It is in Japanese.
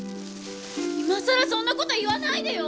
いまさらそんなこと言わないでよ！